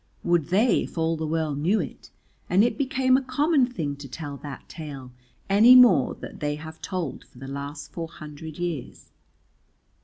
Would they if all the world knew it and it became a common thing to tell that tale any more that they have told for the last four hundred years?